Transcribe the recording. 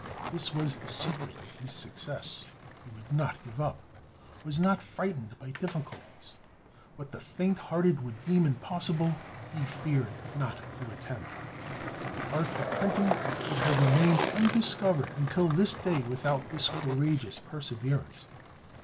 This was the secret of his success; he would not give up; was not frightened by difficulties; what the faint hearted would deem impossible, he feared not to attempt. The art of printing would have remained undiscovered until this day without this courageous perseverance.